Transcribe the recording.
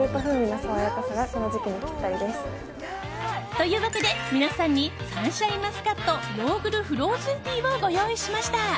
というわけで、皆さんにＳＵＮシャインマスカットヨーグルフローズンティーをご用意しました。